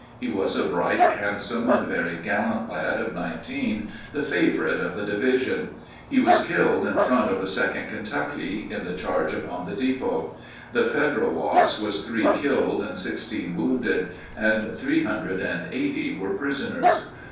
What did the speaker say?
He was a bright, handsome, and very gallant lad of nineteen, the favorite of the division. He was killed in front of the 2d Kentucky in the charge upon the depot. The Federal loss was three killed and sixteen wounded, and three hundred and eighty were prisoners.